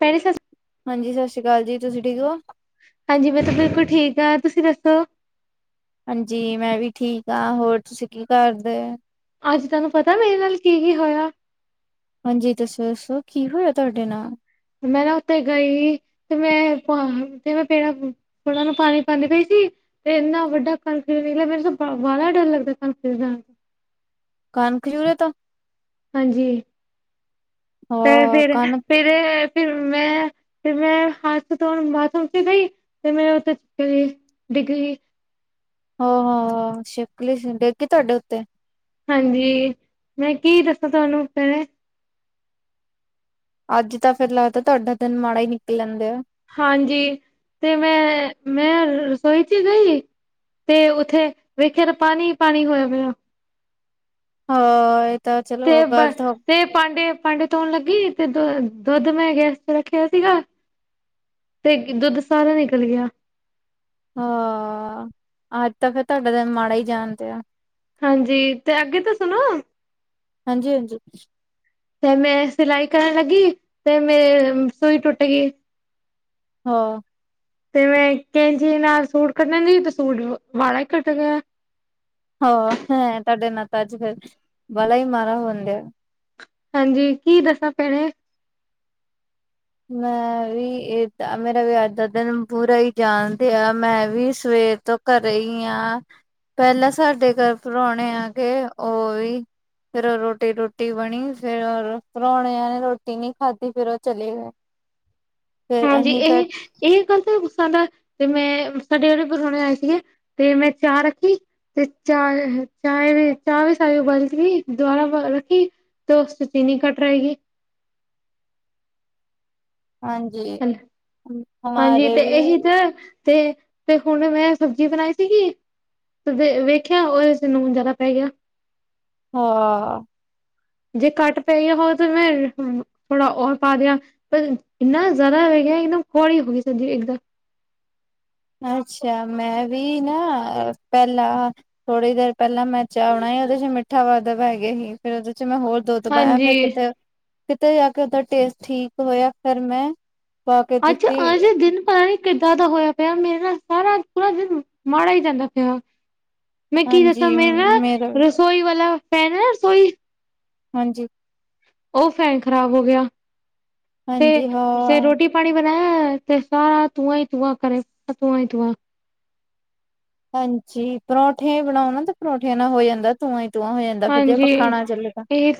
Paris ਹਾਂਜੀ ਸਤਿ ਸ਼੍ਰੀ ਅਕਾਲ ਜੀ ਤੁਸੀਂ ਠੀਕ ਹੋ। ਹਾਂਜੀ, ਮੈਂ ਤਾਂ ਬਿਲਕੁਲ ਠੀਕ ਹਾਂ ਤੁਸੀਂ ਦੱਸੋ? ਹਾਂਜੀ, ਮੈਂ ਵੀ ਠੀਕ ਹਾਂ ਹੋਰ ਤੁਸੀਂ ਕੀ ਕਰਦੇ। ਅੱਜ ਤੁਹਾਨੂੰ ਪਤਾ ਮੇਰੇ ਨਾਲ ਕੀ ਕੀ ਹੋਇਆ। ਹਾਂਜੀ, ਦੱਸੋ ਦੱਸੋ ਕੀ ਹੋਇਆ ਤੁਹਾਡੇ ਨਾਲ। ਮੈਂ ਨਾ ਉੱਥੇ ਗਈ ਸੀ ਤੇ ਮੈਂ ਤੇ ਮੈਂ ਪੇੜ ਹਣ ਨੂੰ ਪਾਣੀ ਪਾਉਂਦੀ ਪਈ ਸੀ। ਤੇ ਇੰਨਾ ਵੱਡਾ ਕਨਫਿਊਜ਼ ਨਿਕਲਿਆ ਮੈਨੂੰ ਤਾਂ ਬਾ ਡਰ ਲੱਗਦਾ ਕਨਫਿਊ ਕਨ ਖਜੂਰੇ ਤਾਂ। ਹਾਂਜੀ ਤੇ ਹਾਂ ਫੇਰ ਕਣਕ ਤੇ ਫਿਰ ਮੈਂ ਫਿਰ ਮੈਂ ਹੱਥ ਧੋਣ ਮਸਮ ਚ ਨਹੀਂ। ਤੇ ਮੈਂ ਉੱਥੇ ਡਿਗਰੀ ਹਹ ਹ ਸ਼ਿਕਲੀ ਦੇਗੀ ਤੁਹਾਡੇ ਉੱਤੇ। ਹਾਂਜੀ, ਮੈਂ ਕੀ ਦੱਸਾਂ ਤੁਹਾਨੂੰ ਪਹਿਣੇ ਅੱਜ ਤਾਂ ਫੇਰ ਲੱਗਦਾ ਤੁਹਾਡਾ ਦਿਨ ਮਾੜਾ ਹੀ ਨਿਕਲ ਲੈਂਦੇ ਆ। ਹਾਂਜੀ, ਤੇ ਮੈਂ ਮੈਂ ਰਸੋਈ ਚ ਹੀ ਗਈ। ਤੇ ਉੱਥੇ ਵੇਖਿਆ ਪਾਣੀ ਹੀ ਪਾਣੀ ਹੋਇਆ ਹੋਇਆ। ਹਾਂ, ਤਾਂ ਤੇ ਚਲੋ ਬ ਗਲਤ ਹੋ ਤੇ ਪਾਂਡੇ ਪਾਂਡੇ ਧੋਣ ਲੱਗੀ ਤੇ ਦੁ ਦੁੱਧ ਮੈਂ ਗੈਸ ਚ ਰੱਖਿਆ ਸੀਗਾ ਤੇ ਦੁੱਧ ਸਾਰਾ ਨਿਕਲ ਗਿਆ। ਹਾਅ ਅੱਜ ਤਾਂ ਫੇਰ ਤੁਹਾਡੇ ਦਿਨ ਮਾੜਾ ਹੀ ਜਾਣ ਦਿਆ ਹਾਂਜੀ ਤੇ ਅੱਗੇ ਤਾਂ ਸੁਣੋ ਹਾਂਜੀ- ਹਾਂਜੀ। ਤੇ ਮੈਂ ਸਿਲਾਈ ਕਰਨ ਲੱਗੀ ਤੇ ਮੇ ਸੂਈ ਟੁੱਟ ਗਈ। ਹਾਂ। ਤੇ ਮੈ ਕਹਿੰਦੀ ਨਾਲ ਸੂਟ ਕੱਟਣ ਦੀ ਤੇ ਸੂਟ ਵਾਲਾ ਹੀ ਕੱਟ ਗਿਆ। ਹਾਂ। ਹੈ ਤੁਹਾਡੇ ਨਾਲ ਤਾਂ ਅੱਜ ਫਿਰ ਵਾਲਾ ਹੀ ਮਾੜਾ ਹੋਣ ਡ ਹਾਂਜੀ। ਕੀ ਦੱਸਾਂ ਭੈਣੇ। ਮੈਂ ਵੀ ਇਦਾ ਮੇਰਾ ਵੀ ਅੱਜ ਦਾ ਦਿਨ ਬੁਰਾ ਹੀ ਜਾਣਦੇ ਆ ਮੈਂ ਵੀ ਸਵੇਰ ਤੋਂ ਘਰੇ ਆ ਪਹਿਲਾਂ ਸਾਡੇ ਘਰ ਪ੍ਰਾਹਣੇ ਆਗੇ ਉਹ ਵੀ। ਫੇਰ ਉਹ ਰੋਟੀ ਰੋਟੀ ਬਣੀ ਫੇਰ ਪ੍ਰੁਣੇਆਂ ਨੇ ਰੋਟੀਨੀ ਖਾਧੀ ਫੇਰ ਉਹ ਚਲੇ ਗਏ ਫੇਰ ਹਾਂਜੀ। ਅਸੀਂ ਬੈਠ ਇਹ ਇਹ ਗੱਲ ਤਾਂ ਸਾਡਾ ਤੇ ਮੈਂ ਸਾਡੇ ਉਹੜੇ ਪ੍ਰੁਣੇ ਆਏ ਸੀਗੇ ਤੇ ਮੈਂ ਚਾ ਰੱਖੀ। ਤੇ ਚਾਹ ਚਾਹ ਵੀ ਚਾਹ ਵੀ ਸਾਰੀ ਉਬਲ ਗਈ ਤੇ ਦੁਬਾਰਾ ਰੱਖੀ। [inaudible] ਹਾਂਜੀ। ਹਨ ਹਾਂਜੀ ਹਮਾਰੇ ਤੇ ਵੀ ਇਹੀ ਤਾਂ ਤੇ ਤੇ ਹੁਣ ਮੈਂ ਸਬਜ਼ੀ ਬਣਾਈ ਸੀਗੀ। ਵੇਖਿਆ ਉਹਦੇ ਨੁਨ ਹੁਣ ਜ਼ਿਆਦਾ ਪੈ ਗਿਆ। ਹਾਂ। ਜੇ ਘਟ ਪਗੀਆ ਉਹ ਤੇ ਮੈਂ ਥੋੜਾ ਹੋਰ ਪਾ ਦਿਆ। [inaudible] ਅੱਛ। ਮੈਂ ਵੀ ਨਾ ਪਹਿਲਾਂ। ਥੋੜ੍ਹੀ ਦੇਰ ਪਹਿਲਾਂ ਮੈਂ ਚਾਹ ਬਣਾਈ ਸੀ ਉਹਦੇ ਚ ਮਿੱਠਾ ਵਧ ਪੈ ਗਿਆ ਸੀ ਫੇਰ ਉਹਦੇ ਚ ਮੈਂ ਹੋਰ। ਦੁੱਧ ਪਇਆ ਫਿਰ ਹਾਂਜੀ ਕਿਤੇ ਕਿਤੇ ਜਾ ਕੇ ਉਹਦਾ ਟੇਸਟ ਠੀਕ ਹੋਇਆ ਫੇਰ ਮੈਂ ਪਾ ਕੇ ਦਿੱਤੀ ਅੱਜ-ਅਜ ਦਿਨ ਭਰਾ। ਕਿੱਦਾਂ ਦਾ ਹੋਇਆ ਪਿਆ ਮੇਰੇ ਨਾਲ ਸਾਰਾ ਪੂਰਾ ਦਿਨ ਮਾੜਾ ਹੀ ਜਾਂਦਾ ਪਿਆ। ਮੈਂ ਕੀ ਦੱਸਾਂ ਮੇਰਾ ਰਸੋਈ ਵਾਲਾ ਫੈਨ ਹੈ ਰਸੋਈ ਹਾਂਜੀ। ਉਹ ਫੈਨ ਖ਼ਰਾਬ ਹੋ ਗਿਆ ਤੇ ਹਾਂਜੀ ਜੇ ਹਾਂ ਰੋਟੀ ਪਾਣੀ ਬਣਾਇਆ ਤੇ ਸਾਰਾ ਤੂੰਆਂ ਹੀ ਤੂੰਆਂ ਕਰ ਤੂੰਆਂ ਹੀ ਤੂੰਆਂ ਹਾਂਜੀ। ਪਰੌਂਠੇ ਬਣਾਓ ਨਾ ਤੇ ਪਰੌਂਠਿਆਂ ਨਾਲ ਹੋ ਜਾਂਦਾ। ਤੂੰਆਂ ਹੀ ਤੂੰਆ ਹੋ ਜਾਂਦਾ ਫੇਰ ਜੇ ਹਾਂਜੀ ਪੱਖਾ ਨਾ ਚੱਲੇ ਤਾਂ। ਇਹ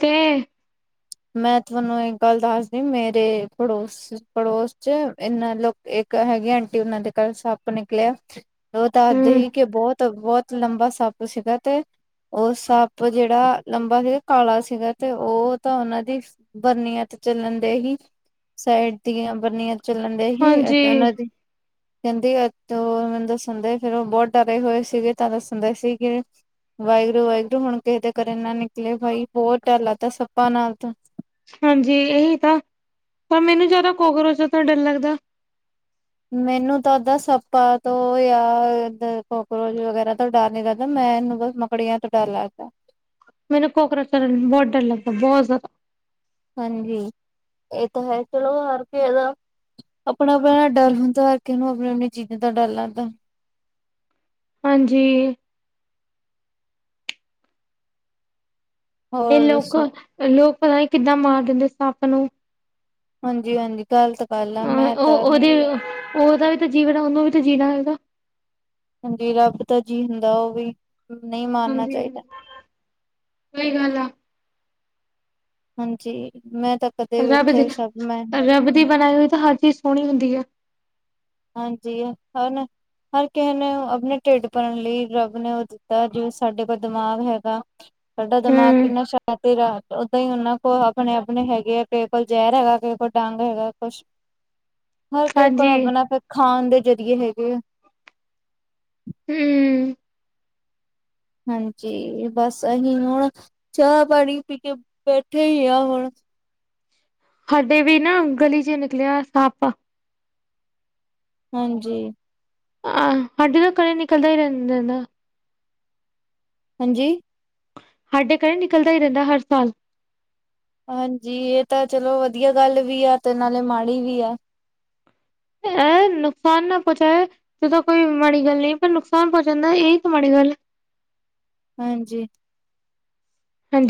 [inaudible] ਮੈਂ ਤੁਹਾਨੂੰ ਇੱਕ ਗੱਲ ਦੱਸਦੀ ਮੇਰੇ ਪੜੋਸ-ਪੜੋਸ ਚ ਏਨਾਂ ਲੋ ਇੱਕ ਹੈਗੀ ਆ ਆਂਟੀ ਓਨਾਂ ਦੇ ਕਲ ਸੱਪ ਨਿਕਲਿਆ ਓ ਦਾਦੇ ਹਮ ਸੀ ਕੀ ਬੋ ਤਾਂ ਬੋਤ ਲੰਬਾ ਸਪ ਸੀਗਾ ਤੇ ਓ ਸੱਪ ਜੇੜਾ ਲੰਬਾ ਸੀਗਾ ਕਾਲਾ ਸੀਗਾ ਤੇ ਓ ਤਾਂ ਓਨਾਂ ਦੀ ਬਰਨੀਆਂ ਤੇ ਚੱਲਣ ਦੇ ਹੀ ਸਾਈਡ ਦੀਆਂ ਬਰਨੀਆਂ। ਚੱਲਣ ਦਿਆ ਸੀ ਹਾਂਜੀ ਓਨਾਂ ਦੀ ਕੈਂਦੀ ਇਕ ਤੇ ਓ ਮੈਨੂੰ ਦੱਸਣ ਦੇ। ਫਿਰ ਉਹ ਬਹੁਤ ਡਰੇ ਹੋਏ ਸੀਗੇ ਤਾਂ ਦੱਸਣ ਦੇ ਸੀਗੇ। ਵਾਹਿਗੁਰੂ- ਵਾਹਿਗੁਰੂ ਹੁਣ ਕਿਸੇ ਦੇ ਘਰੇ ਨਾ ਨਿਕਲੇ ਬਾਈ ਬਹੁਤ ਡਰ ਲਗਦਾ ਸੱਪਾਂ ਨਾਲ ਤਾਂ। ਹਾਂਜੀ। ਏਹੀ ਤਾਂ ਪਰ ਮੈਨੂੰ ਜਾਦਾ ਕੋਕਰੋਚਾਂ ਤੋ ਡਰ ਲੱਗਦਾ। ਮੈਨੂੰ ਤਾਂ ਦਾਂ ਸੱਪਾ ਤੋਂ ਜਾਂ ਕੋਕਰੋਚ ਵਗੈਰਾ ਤੋਂ ਡਰ ਨੀ ਲਗਦਾ ਮੈਂਨੂੰ ਬਸ ਮਕ ਕਿਰਲੀਆਂ ਤੋਂ ਡਰ ਲੱਗਦਾ। ਮੈਨੂੰ ਕੋਕਰਚਾ ਤੋ ਬਹੁਤ ਡਰ ਲੱਗਦਾ ਬੋ ਜਾ ਹਾਂਜੀ ਏ ਤਾਂ ਹੈ ਚਲੋ ਹਰ ਕਿਸੇ ਦਾ ਆਪਣਾ-ਆਪਣਾ ਨਾਲ ਡਰ ਹੁੰਦਾ ਹਰ ਕਿਸ ਨੂੰ ਆਪਣੇ ਆਪਣੀ ਚੀਜ਼ਾਂ ਦਾ ਡਰ ਲਾਂਦਾ। ਹਾਂਜੀ। ਇਹ ਹੋਰ ਲੋਕ ਦੱਸੋ ਲੋਕ ਪਤਾ ਨਹੀਂ ਕਿੱਦਾਂ ਮਾਰ ਦਿੰਦੇ ਸੱਪ ਨੂੰ। ਹਾਂਜੀ -ਹਾਂਜੀ। ਗੱਲਤ ਗੱਲ ਅ ਆ ਮੈਂ ਤਾਂ ਉਹ ਉਹਦੇ ਉਹਦਾ ਵੀ ਤਾਂ ਜੀਵਣ ਉਹਨੂੰ ਵੀ ਤਾਂ ਜੀਣਾ ਹੈਗਾ। ਹਾਂਜੀ, ਰੱਬ ਦਾ ਜੀਅ ਹੁੰਦਾ ਓ ਵੀ। ਨਈ ਮ ਹਾਂਜੀ, ਸਈ ਗੱਲ ਆ। ਹਾਂਜੀ, ਮੈਂ ਤਾਂ ਕਦੇ ਰੱਬ ਦੀ, ਵੇਖਿਆ ਸਭ ਮੈਂ ਰੱਬ ਦੀ ਬਣਾਈ ਹੋਈ ਤਾਂ ਹਰ ਚੀਜ਼ ਸੋਣੀ ਹੁੰਦੀ ਐ। ਹਾਂਜੀ, ਹ ਨ ਹਰ ਕਿਏ ਨੇ ਆਪਣੇ ਢਿੱਡ ਭਰਨ ਲਈ ਰੱਬ ਨੇ ਓ ਤਾ ਜਿਵੇਂ ਸਾਡੇ ਕੋਲ ਦਿਮਾਗ ਹੈਗਾ। ਸਾਡਾ ਦਿਮਾਗ ਹੂੰ ਕਿੰਨਾ ਸ਼ਾਤਿਰ ਆ, ਓਦਾਂ ਈ ਓਨਾਂ ਕੋਲ ਆਪਣੇ-ਆਪਣੇ ਹੈਗੇ ਐ [unintelligible] ਕੋਲ ਜੈਰ ਹੈਗਾ, ਕਿਸੇ ਕੋਲ ਡੰਗ ਹੈਗਾ। ਕੁਸ਼, ਹਰ ਕਿਏ ਕੋਲ ਹਾਂਜੀ ਆਪਣਾ ਫਿਰ ਖਾਣ ਦੇ ਜ਼ਰੀਏ ਹੈਗੇ ਐ। ਹੂੰ। ਹਾਂਜੀ, ਬਸ ਅਹੀਂ ਹੁਣ, ਚਾਹ ਪਾਣੀ ਪੀ ਕੇ ਬੈਠੇ ਈ ਆ ਹੁਣ। ਸਾਡੇ ਵੀ ਨਾ ਗਲੀ ਚ ਨਿਕਲਿਆ ਸਪ। ਹਾਂਜੀ। ਆਂ ਹਾਡੇ ਤੇ ਘਰੇ ਨਿਕਲਦੇ ਈ ਰੈਂਦਾ ਨਾ। ਹਾਂਜੀ। ਸਾਡੇ ਘਰੇ ਨਿਕਲਦਾ ਈ ਰੈਂਦਾ ਹਰ ਸਾਲ। ਹਾਂਜੀ ਏ ਤਾਂ ਚਲੋ ਵਧੀਆ ਗੱਲ ਵੀ ਆ, ਤੇ ਨਾਲੇ ਮਾੜੀ ਵੀ ਆ। ਐ ਨੁਕਸਾਨ ਨਾ ਪੋਚਾਏ ਤੇ ਤਾਂ ਕੋਈ ਮਾੜੀ ਗੱਲ ਨੀ, ਪਰ ਨੁਕਸਾਨ ਪੋਚਾਂਦਾ, ਏ ਈ ਤਾਂ ਮਾੜੀ ਗੱਲ ਐ। ਹਾਂਜੀ। ਹਾਂਜੀ।